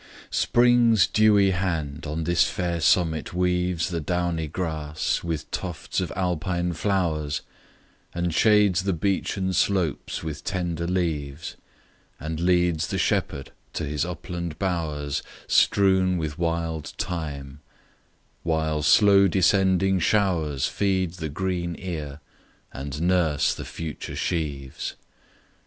SPRING'S dewy hand on this fair summit weaves The downy grass, with tufts of Alpine flowers, And shades the beechen slopes with tender leaves, And leads the shepherd to his upland bowers, Strewn with wild thyme; while slow descending showers Feed the green ear, and nurse the future sheaves.